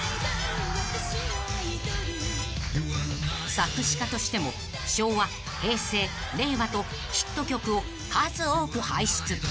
［作詞家としても昭和平成令和とヒット曲を数多く輩出］